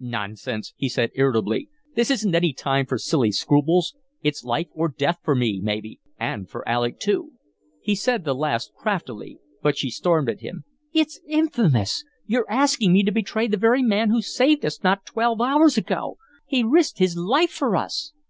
"Nonsense," he said, irritably. "This isn't any time for silly scruples. It's life or death for me, maybe, and for Alec, too." He said the last craftily, but she stormed at him: "It's infamous! You're asking me to betray the very man who saved us not twelve hours ago. He risked his life for us."